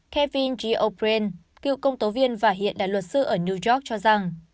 kevin g o brien cựu công tố viên và hiện đại luật sư ở new york cho rằng